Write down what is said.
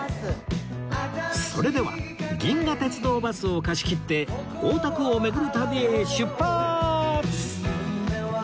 それでは銀河鉄道バスを貸し切って大田区を巡る旅へ出発！